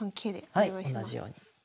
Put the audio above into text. はい同じように。